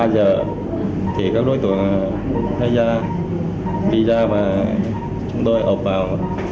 ba giờ thì các đối tượng đi ra và chúng tôi ộp vào